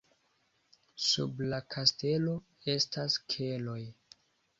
Sub la kastelo estas keloj.